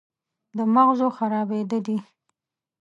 د مغزو خرابېده دي